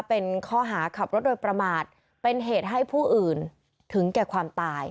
เป็นข้อหาขับรถโดยประมาทเป็นเหตุให้ผู้อื่นถึงแก่ความตาย